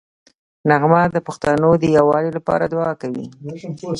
نغمه د پښتنو د یووالي لپاره دوعا کوي